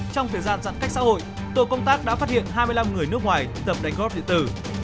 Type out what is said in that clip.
trong thời gian giãn cách xã hội tổ công tác đã phát hiện hai mươi năm người nước ngoài tầm đánh gót điện tử